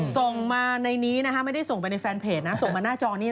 ส่งมาในนี้ไม่ได้ส่งไปในแฟนเพจนะส่งมาหน้าจอนี้